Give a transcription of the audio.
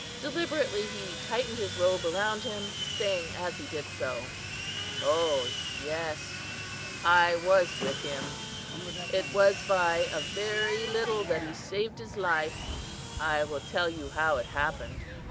Deliberately he tightened his robe around him, saying as he did so: "Ho (Yes). I was with him. It was by a very little that he saved his life. I will tell you how it happened.